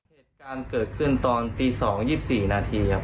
เหตุการณ์เกิดขึ้นตอนตี๒๒๔นาทีครับ